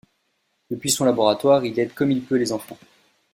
Depuis son laboratoire, il aide comme il peut les enfants.